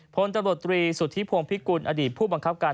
พลตำรวจตรีสุทธิพวงพิกุลอดีตผู้บังคับการ